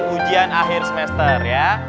ujian akhir semester ya